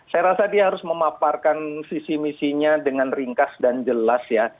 saya rasa dia harus memaparkan visi misinya dengan ringkas dan jelas ya